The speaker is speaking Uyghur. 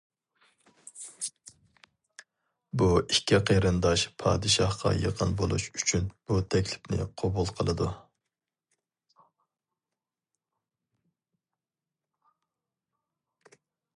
بۇ ئىككى قېرىنداش پادىشاھقا يېقىن بولۇش ئۈچۈن بۇ تەكلىپنى قوبۇل قىلىدۇ.